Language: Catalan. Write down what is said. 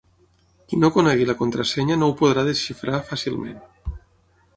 Qui no conegui la contrasenya no ho podrà desxifrar fàcilment.